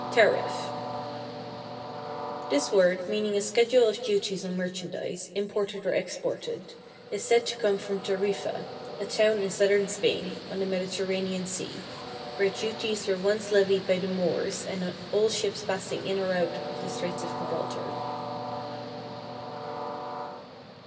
=Tariff.= This word, meaning a schedule of duties on merchandise, imported or exported, is said to come from Tarifa, a town in Southern Spain, on the Mediterranean Sea, where duties were once levied by the Moors on all ships passing in or out of the Straits of Gibraltar.